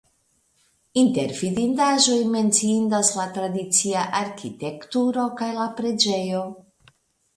Inter vidindaĵoj menciindas la tradicia arkitekturo kaj la preĝejo.